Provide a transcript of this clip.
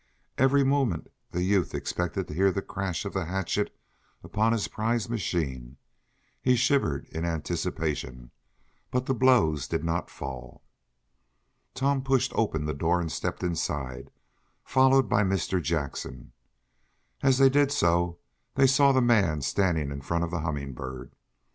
Every moment the youth expected to hear the crash of the hatchet on his prize machine. He shivered in anticipation, but the blows did not fall. Tom pushed open the door and stepped inside, followed by Mr. Jackson. As they did so they saw the man standing in front of the Humming Bird.